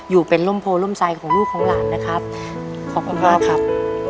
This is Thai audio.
อยู่เป็นร่มโพร่มใจของลูกของหลานนะครับขอบคุณมากครับ